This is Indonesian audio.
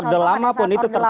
orde lama pun itu tertutup